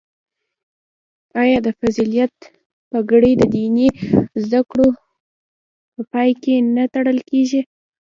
آیا د فضیلت پګړۍ د دیني زده کړو په پای کې نه تړل کیږي؟